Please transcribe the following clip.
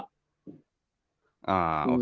อ่าโอเค